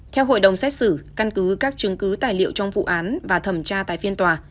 theo hội đồng xét xử căn cứ các chứng cứ tài liệu trong vụ án và thẩm tra tại phiên tòa